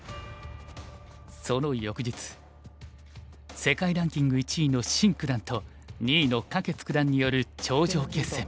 その翌日世界ランキング１位のシン九段と２位の柯潔九段による頂上決戦。